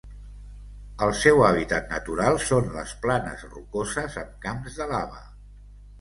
El seu hàbitat natural són les planes rocoses amb camps de lava.